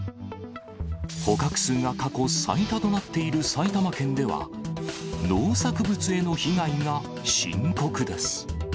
捕獲数が過去最多となっている埼玉県では、農作物への被害が深刻です。